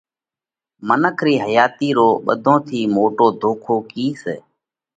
منک رِي حياتِي رو ٻڌون ٿِي موٽو ڌوکو ڪِي سئہ؟